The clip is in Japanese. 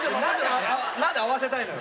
なんで合わせたいのよ？